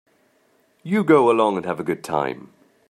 You go along and have a good time.